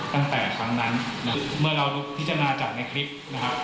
ตั้งแต่ครั้งนั้นเมื่อรุกพิจารณาจากในคลิป